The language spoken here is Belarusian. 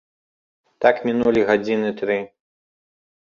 Так мінулі гадзіны тры.